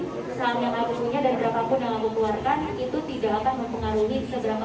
pesan yang aku punya dan berapapun yang aku keluarkan itu tidak akan mempengaruhi seberapa